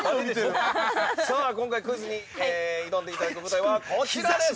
◆さあ、今回クイズに挑んでいただく舞台はこちらです！